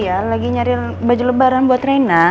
iya lagi nyari baju lebaran buat reina